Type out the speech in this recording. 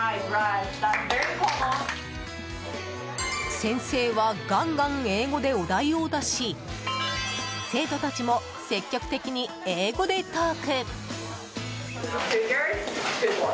先生はガンガン英語でお題を出し生徒たちも積極的に英語でトーク。